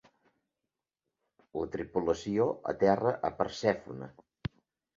La tripulació aterra a Persèfone.